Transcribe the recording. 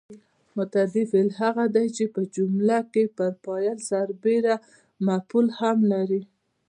متعدي فعل هغه دی چې په جمله کې پر فاعل سربېره مفعول هم لري.